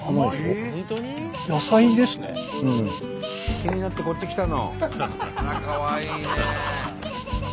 気になってこっち来たの？